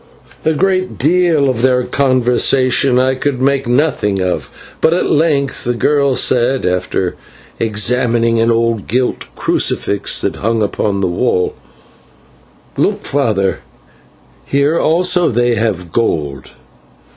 A great deal of their conversation I could make nothing of, but at length the girl said, after examining an old gilt crucifix that hung upon the wall: "'Look, father, here also they have gold.'